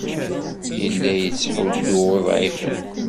Yella yettḥuddu uḍɛifen.